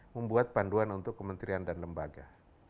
membuat panduan untuk kementerian dan lembaga